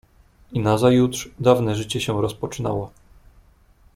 "I nazajutrz dawne życie się rozpoczynało."